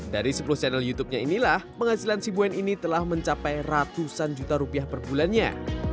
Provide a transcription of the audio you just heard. dari sepuluh channel youtubenya inilah penghasilan sibuen ini telah mencapai ratusan juta rupiah perbulannya